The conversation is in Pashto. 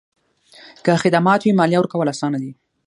که خدمات وي، مالیه ورکول اسانه دي؟